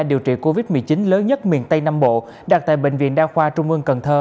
điều trị covid một mươi chín lớn nhất miền tây nam bộ đặt tại bệnh viện đa khoa trung ương cần thơ